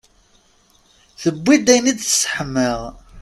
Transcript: Tewwi-d ayen i d-tesseḥma.